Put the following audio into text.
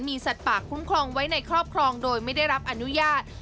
สัตว์ป่าคุ้มครองไว้ในครอบครองโดยไม่ได้รับอนุญาต